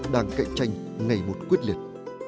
đang cạnh tranh ngày một quyết liệt